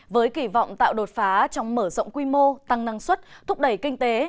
với kỳ vọng tạo đột phá trong mở rộng quy mô tăng năng suất thúc đẩy kinh tế